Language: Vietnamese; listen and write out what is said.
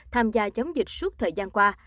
tham gia chống dịch suốt thời gian qua